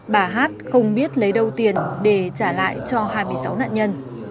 bà hát không biết lấy đâu tiền để trả lại cho hai mươi sáu nạn nhân